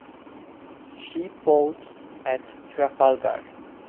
She fought at Trafalgar.